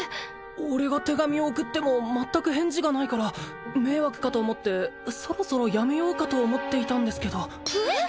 俺が手紙を送っても全く返事がないから迷惑かと思ってそろそろやめようかと思っていたんですけどえっ！？